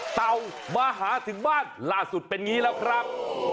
เต่ามาหาถึงบ้านล่าสุดเป็นอย่างนี้แล้วครับ